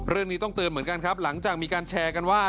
เรื่องนี้ต้องเตือนเหมือนกันครับหลังจากมีการแชร์กันว่า